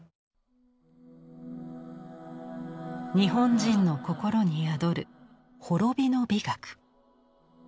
日本人の心に宿る滅びの美学。